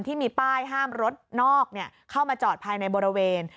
ที่มีป้ายห้ามรถนอกเข้ามาจอดภายในบริเวณ